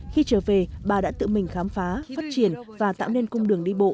khi trở về bà đã tự mình khám phá phát triển và tạo nên cung đường đi bộ